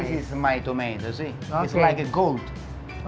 ini tomatku kayak gula